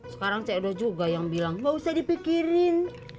sekarang cik edo juga yang bilang enggak usah dipikirin